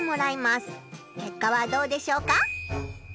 けっかはどうでしょうか？